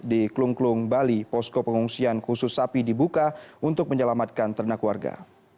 di klung klung bali posko pengungsian khusus sapi dibuka untuk menyelamatkan ternak warga